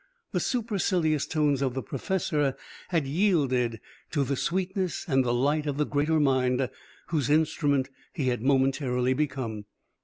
The supercilious tones of the professor had yielded to the sweetness and the light of the Greater Mind whose instrument he had momentarily become.